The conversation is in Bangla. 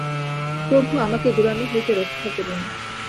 প্রভু আমাকে গোঁড়ামি হইতে রক্ষা করুন।